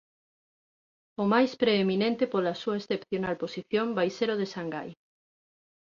O máis preeminente pola súa excepcional posición vai ser o de Shanghai.